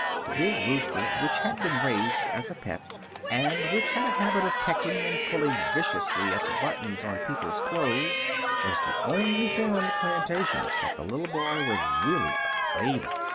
The big rooster, which had been raised as a pet, and which had a habit of pecking and pulling viciously at the buttons on people's clothes, was the only thing on the plantation that the little boy was really afraid of.